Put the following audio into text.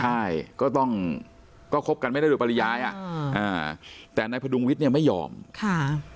ใช่ก็ต้องก็คบกันไม่ได้โดยปริยายอ่ะอ่าแต่นายพดุงวิทย์เนี่ยไม่ยอมค่ะ